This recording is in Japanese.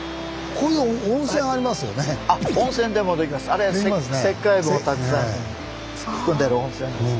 あれ石灰分をたくさん含んでる温泉ですね。